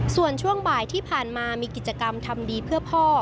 ส่วนช่วงบ่ายที่ผ่านมามีกิจกรรมทำดีเพื่อพ่อ